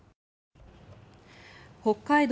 北海道